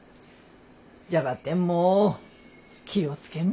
じゃばってんもう気を付けんばね。